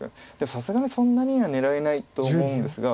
さすがにそんなには狙えないと思うんですが。